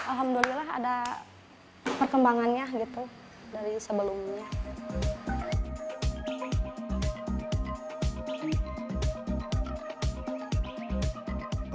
alhamdulillah ada perkembangannya gitu dari sebelumnya